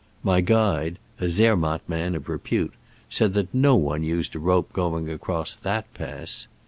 My guide (a Zermatt man of repute) said that no one used a rope going across that pass.